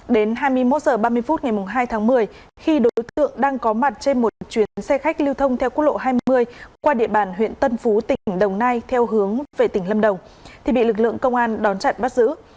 đến hai mươi một h ba mươi phút ngày hai tháng một mươi khi đối tượng đang có mặt trên một chuyến xe khách lưu thông theo quốc lộ hai mươi qua địa bàn huyện tân phú tỉnh đồng nai theo hướng về tỉnh lâm đồng thì bị lực lượng công an đón chặn bắt giữ